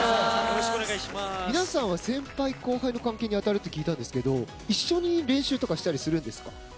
皆さんは先輩・後輩の関係に当たると聞いたんですが一緒に練習とかしたりするんですか？